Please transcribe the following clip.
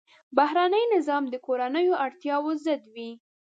بهرنی نظام د کورنیو اړتیاوو ضد وي.